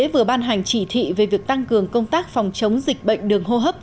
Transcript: vừa ban hành chỉ thị về việc tăng cường công tác phòng chống dịch bệnh đường hô hấp